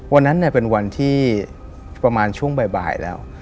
วันนั้นเป็นวันที่ประมาณช่วงบ่ายแล้ว